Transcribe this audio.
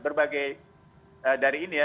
berbagai dari ini ya